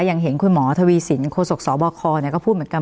ยังเห็นคุณหมอทวีสินโครสกสบคเนี่ยก็พูดเหมือนกัน